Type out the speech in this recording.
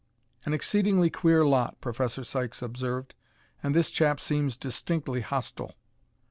"An exceedingly queer lot," Professor Sykes observed. "And this chap seems distinctly hostile."